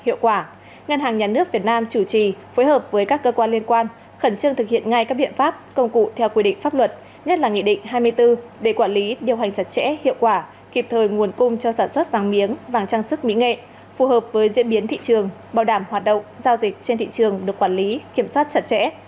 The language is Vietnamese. hiệu quả ngân hàng nhà nước việt nam chủ trì phối hợp với các cơ quan liên quan khẩn trương thực hiện ngay các biện pháp công cụ theo quy định pháp luật nhất là nghị định hai mươi bốn để quản lý điều hành chặt chẽ hiệu quả kịp thời nguồn cung cho sản xuất vàng miếng vàng trang sức mỹ nghệ phù hợp với diễn biến thị trường bảo đảm hoạt động giao dịch trên thị trường được quản lý kiểm soát chặt chẽ